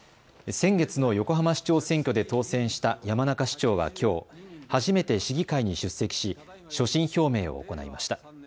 先月の横浜市長選挙で当選した山中市長はきょう、初めて市議会に出席し所信表明を行いました。